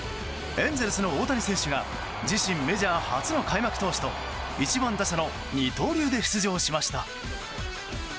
エンゼルスの大谷選手が自身メジャー初の開幕投手と１番打者の二刀流で出場しました。